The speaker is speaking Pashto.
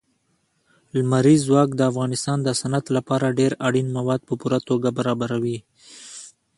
لمریز ځواک د افغانستان د صنعت لپاره ډېر اړین مواد په پوره توګه برابروي.